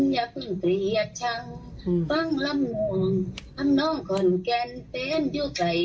อย่าเพิ่งเตรียดชั้นฟังลำมวงทำน้องคนแกนเป็นอยู่ใกล้